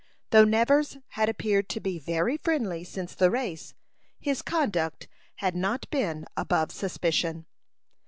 Though Nevers had appeared to be very friendly since the race, his conduct had not been above suspicion.